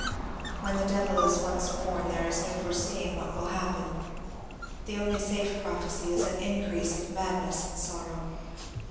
When the Devil is once born there is no foreseeing what will happen. The only safe prophecy is an increase of madness and sorrow.